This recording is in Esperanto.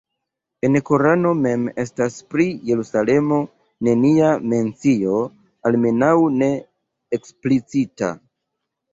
En Korano mem estas pri Jerusalemo nenia mencio, almenaŭ ne eksplicita.